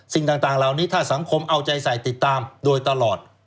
สิ่งต่างเหล่านี้ถ้าสังคมเอาใจใส่ติดตามโดยตลอด